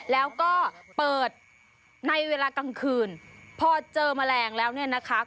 แล้วก็เปิดในเวลากลางคืนพอเจอแมลงแล้วเนี่ยนะคะ